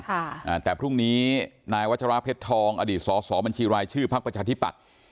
อ่าแต่พรุ่งนี้นายวัชราเพชรทองอดีตสอสอบัญชีรายชื่อพักประชาธิปัตย์